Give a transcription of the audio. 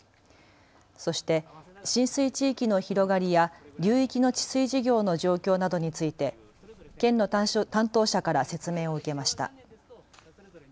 そして浸水地域の広がりや流域の治水事業の状況などについて県の担当者から説明を受けました。